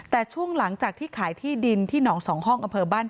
แต่ช่วงหลังจากที่ขายที่ดินที่หนองสองห้อง